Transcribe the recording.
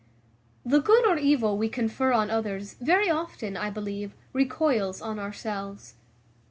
The good or evil we confer on others very often, I believe, recoils on ourselves.